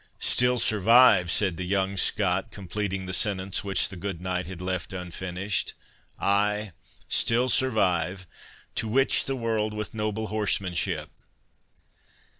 "Still survive?" said the young Scot, completing the sentence which the good knight had left unfinished—"ay, still survive, 'To witch the world with noble horsemanship.